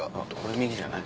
右じゃない？